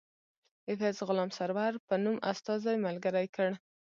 ایفز غلام سرور په نوم استازی ملګری کړ.